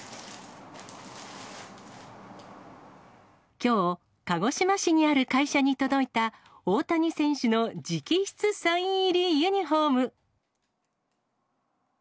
きょう、鹿児島市にある会社に届いた、大谷選手の直筆サイン入りユニホーム。